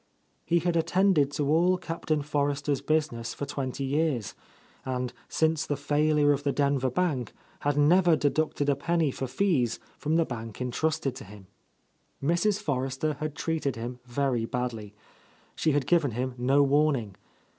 He had attended to all Captain Forrester's busi ness for twenty years, and since the failure of the Denver bank had never deducted a penny for fees from the money entrusted to him. Mrs. Forrester had treated him very badly. She had given him no warning.